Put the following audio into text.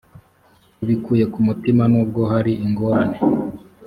ubikuye ku mutima nubwo hari ingorane